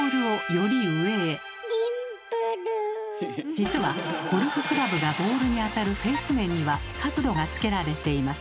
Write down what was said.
実はゴルフクラブがボールに当たるフェース面には角度がつけられています。